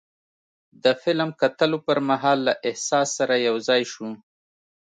د فلم کتلو پر مهال له احساس سره یو ځای شو.